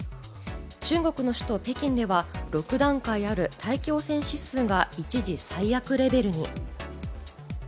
中国の首都・北京では６段階ある大気汚染指数が一時、最悪レベルに。